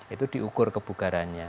itu diukur kebugarannya